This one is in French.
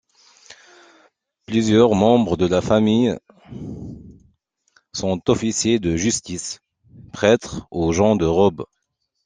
Plusieurs membres de la famille sont officiers de justice, prêtres ou gens de robe.